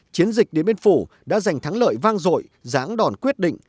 chiến dịch đến bên phủ đã giành thắng lợi vang rội giãng đòn quyết định